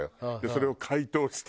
それを解凍して。